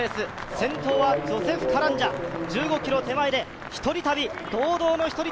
先頭はジョセフ・カランジャ、１５ｋｍ手前で１人旅、堂々の１人旅。